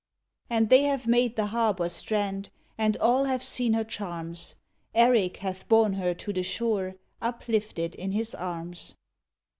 And they have made the harbor strand, And all have seen her charms; Erik hath borne her to the shore Uplifted hi his arms.